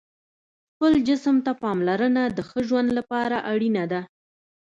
خپل جسم ته پاملرنه د ښه ژوند لپاره اړینه ده.